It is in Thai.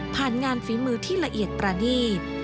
ผ่านงานฝีมือที่ละเอียดตระนีด